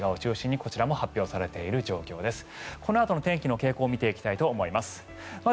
このあとの天気の傾向を見ていきたいと思います。